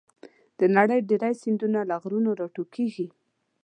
د نړۍ ډېری سیندونه له غرونو راټوکېږي.